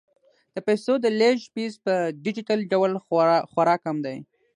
د پيسو د لیږد فیس په ډیجیټل ډول خورا کم دی.